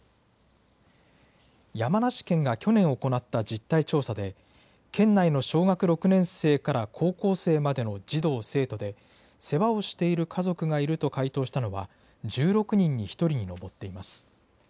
山梨県が去年行った実態調査で、県内の小学６年生から高校生までの児童・生徒で、世話をしている家族がいると回答したのは、１６人に１人に上っています。